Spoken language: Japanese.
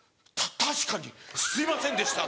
確かにすいませんでした！」。